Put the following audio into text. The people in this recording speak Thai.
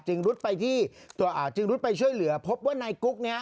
รุดไปที่ตัวอ่าจึงรุดไปช่วยเหลือพบว่านายกุ๊กเนี่ย